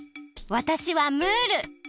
わたしはムール。